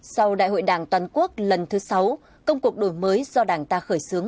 sau đại hội đảng toàn quốc lần thứ sáu công cuộc đổi mới do đảng ta khởi xướng